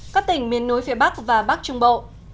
các tỉnh miền núi phía bắc và bắc trung bộ